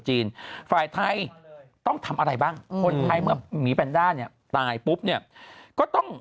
จีนฝ่ายไทยต้องทำอะไรบ้างมีแพนด้าเนี่ยตายปุ๊บเนี่ยก็ต้อง